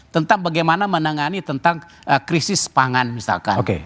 tentang bagaimana menangani tentang krisis pangan misalkan